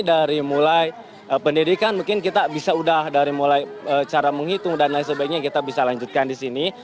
dari mulai pendidikan mungkin kita bisa udah dari mulai cara menghitung dan lain sebagainya kita bisa lanjutkan di sini